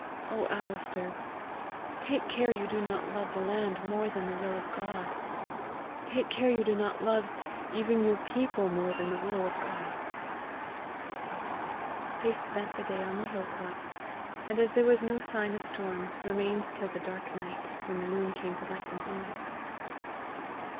Oh Alister, take care you do not love the land more than the will of God! Take care you do not love even your people more than the will of God." They spent the day on the hill top, and as there was no sign of storm, remained till the dark night, when the moon came to light them home.